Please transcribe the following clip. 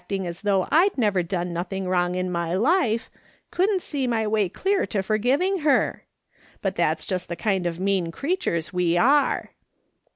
ing as though I'd never done nothing wrong in my life, couldn't see my way clear to forgiving her! But tliat's just the kind of mean creatures we are.